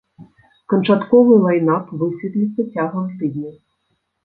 Канчатковы лайнап высветліцца цягам тыдня.